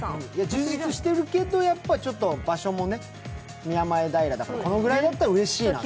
充実してるけど場所も、宮前平だからこのぐらいだったらうれしいなと。